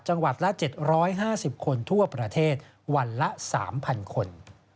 จังหวัดละ๗๕๐คนทั่วประเทศวันละ๓๐๐คน